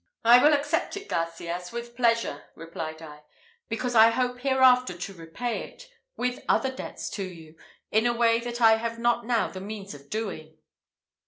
"I will accept it, Garcias, with pleasure," replied I, "because I hope hereafter to repay it, with other debts to you, in a way that I have not now the means of doing."